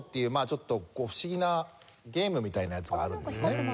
ちょっと不思議なゲームみたいなやつがあるんですね。